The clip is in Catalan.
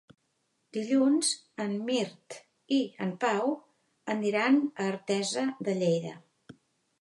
Dilluns en Mirt i en Pau iran a Artesa de Lleida.